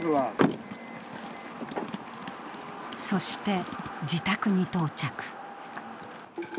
そして、自宅に到着。